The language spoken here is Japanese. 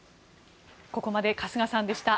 ここまで春日さんでした。